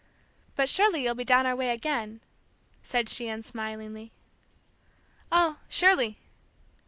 "But surely you'll be down our way again?" said she, unsmilingly. "Oh, surely."